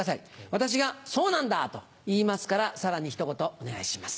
私が「そうなんだ」と言いますからさらにひと言お願いします。